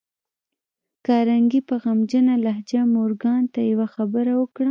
کارنګي په غمجنه لهجه مورګان ته يوه خبره وکړه.